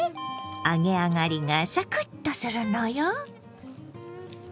揚げ上がりがサクッとするのよ。